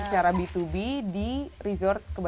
banyak memberikan kepada hotel hotel